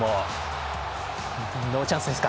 ノーチャンスですか。